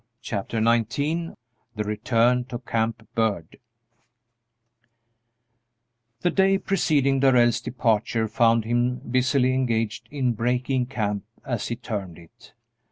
Chapter XIX THE RETURN TO CAMP BIRD The day preceding Darrell's departure found him busily engaged in "breaking camp," as he termed it.